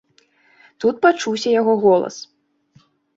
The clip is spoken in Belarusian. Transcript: Тут пачуўся яго голас.